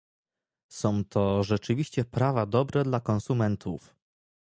Są to rzeczywiście prawa dobre dla konsumentów